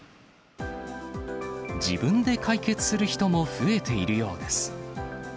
自分で解決する人も増えているようです。